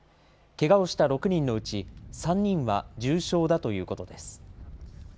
けがをした６人のうち３人は重傷だということです。